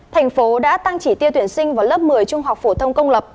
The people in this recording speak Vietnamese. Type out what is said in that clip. thành phố đã tăng chỉ tiêu tuyển sinh vào lớp một mươi trung học phổ thông công lập